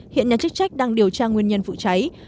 hiện nhà chức trách đang điều tra nguyên nhân vụ cháy